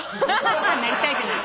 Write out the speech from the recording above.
なりたいじゃない。